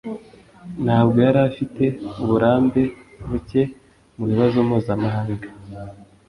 Ntabwo yari afite uburambe buke mubibazo mpuzamahanga